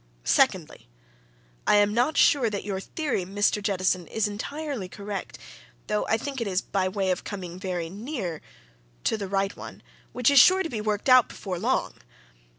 Secondly I am not sure that your theory, Mr. Jettison, is entirely correct, though I think it is by way of coming very near to the right one which is sure to be worked out before long.